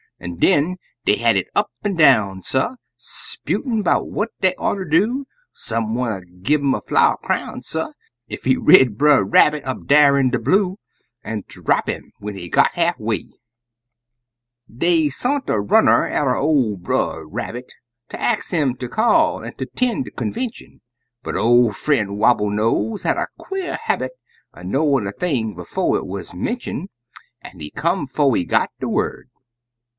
An' den dey had it up an' down, suh, 'Sputin' 'bout what dey oughter do, Some wanter gi' 'im a flower crown, suh, Ef he rid Brer Rabbit up dar in de blue, An' drap 'im when he got half way. Dey sont a runner atter ol' Brer Rabbit Ter ax 'im ter call an' 'ten' de convention; But ol' frien' Wobble nose had a quare habit Er knowin' a thing befo' it wuz mention', An he come 'fo' he got de word.